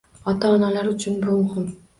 Ota-onalar uchun bu muhim